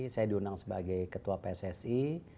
saya diundang sebagai ketua pssi